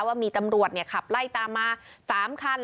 ว่ามีตำรวจขับไล่ตามมา๓คัน